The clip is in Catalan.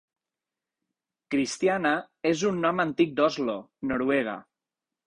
'Christiana' és un nom antic d'Oslo, Noruega.